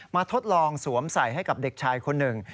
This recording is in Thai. ทดลองสวมใส่ให้กับเด็กชายคนหนึ่ง